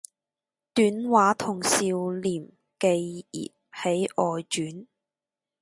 短話同少年寄葉係外傳